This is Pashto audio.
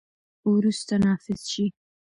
وروسته، نافذ شي.